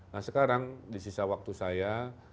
nah sekarang di sisa waktu saya